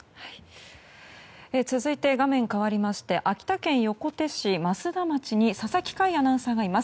続いて、画面変わりまして秋田県横手市増田町に佐々木快アナウンサーがいます。